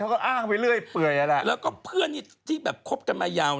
กระเทยเก่งกว่าเออแสดงความเป็นเจ้าข้าว